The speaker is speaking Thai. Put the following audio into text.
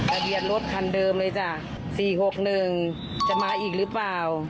ทะเบียนรถคันเดิมเลยจ้ะ๔๖๑จะมาอีกหรือเปล่า